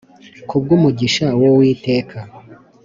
kubw’umugisha w’uwiteka